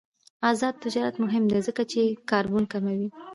آزاد تجارت مهم دی ځکه چې د کاربن کموي.